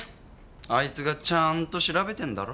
あいつがちゃんと調べてんだろ。